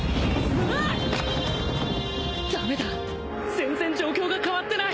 全然状況が変わってない！